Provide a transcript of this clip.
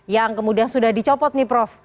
yang kemudian sudah dicopot nih prof